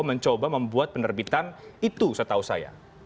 mencoba membuat penerbitan itu setahu saya